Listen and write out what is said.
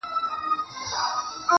ورو په ورو د لېوه خواته ور نیژدې سو.!